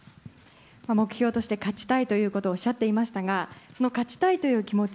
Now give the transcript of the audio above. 目標として勝ちたいとおっしゃっていましたが勝ちたいという気持ち